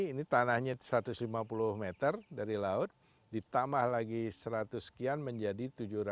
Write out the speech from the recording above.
ini tanahnya satu ratus lima puluh meter dari laut ditambah lagi seratus sekian menjadi tujuh ratus